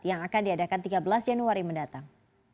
yang akan diadakan tiga belas januari mendatang